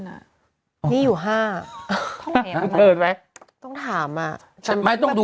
นี่อยู่๕ต้องถาม